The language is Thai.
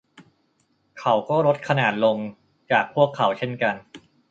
เขาก็ลดขนาดลงจากพวกเขาเช่นกัน